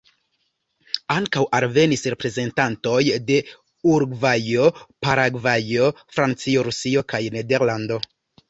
Ankaŭ alvenis reprezentantoj de Urugvajo, Paragvajo, Francio, Rusio kaj Nederlando.